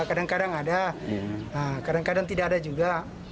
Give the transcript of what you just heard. kadang kadang ada kadang kadang tidak ada juga